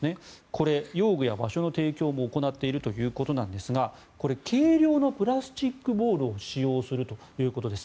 これ、用具や場所の提供も行っているということなんですが軽量のプラスチックボールを使用するということです。